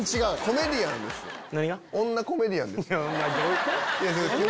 コメディアンですやん。